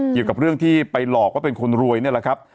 เกี่ยวกับเรื่องที่ไปหลอกว่าเป็นคนรวยนี่แหละครับ